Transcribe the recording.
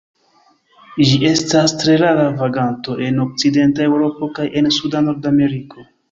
Ĝi estas tre rara vaganto en okcidenta Eŭropo kaj en suda Nordameriko.